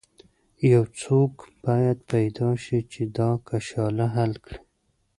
یو څوک باید پیدا شي چې دا کشاله حل کړي.